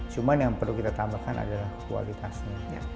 cuma yang perlu kita tambahkan adalah kualitasnya